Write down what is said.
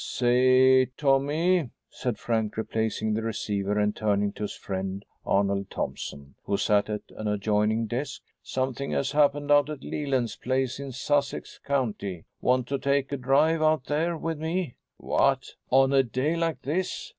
"Say, Tommy," said Frank, replacing the receiver and turning to his friend, Arnold Thompson, who sat at an adjoining desk, "something has happened out at Leland's place in Sussex County. Want to take a drive out there with me?" "What? On a day like this?